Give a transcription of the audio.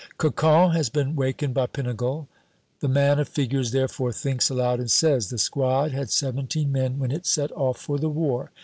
Cocon has been wakened by Pinegal. The man of figures therefore thinks aloud, and says: "The squad had seventeen men when it set off for the war.